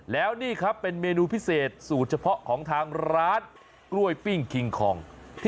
แล้วนี่ครับเป็นเมนูพิเศษสูตรเฉพาะของทางร้านกล้วยปิ้งคิงคอง